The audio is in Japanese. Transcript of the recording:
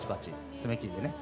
爪切りでね。